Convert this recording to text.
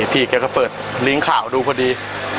พี่แกก็เปิดลิงก์ข่าวดูพอดี